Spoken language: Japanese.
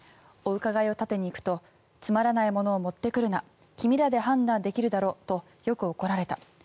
お伺いを立てに行くとつまらないものを持ってくるな君らで判断できるだろとよく怒られた。